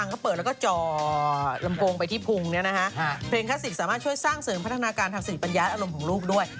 แล้วก็ฟังก็เปิดแล้วก็จอลำโปรงไปที่ภูมิเนี่ยนะฮะเพลงคลาสสิกสามารถช่วยสร้างเสริมพัฒนาการทางสิทธิปัญญาอารมณ์ของลูกด้วย